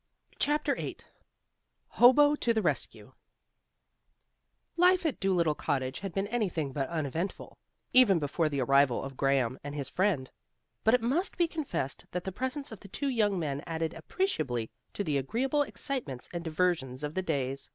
CHAPTER VIII HOBO TO THE RESCUE Life at Dolittle Cottage had been anything but uneventful, even before the arrival of Graham and his friend. But it must be confessed that the presence of the two young men added appreciably to the agreeable excitements and diversions of the days.